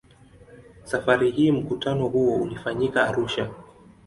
Safari hii mkutano huo ulifanyika Arusha.